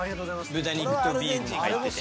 豚肉とビーフも入ってて。